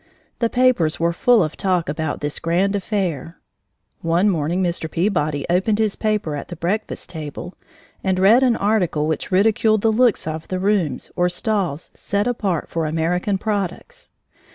The papers were full of talk about this grand affair. One morning Mr. Peabody opened his paper at the breakfast table and read an article which ridiculed the looks of the rooms or stalls set apart for American products.